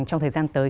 trong thời gian tới